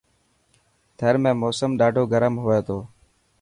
ٿر ۾ موسم ڏاڌو گرم هئي ٿو.